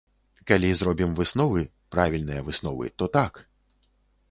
Калі зробім высновы, правільныя высновы, то так!